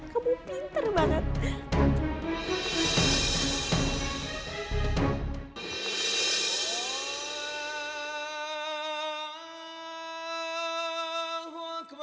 kamu pinter banget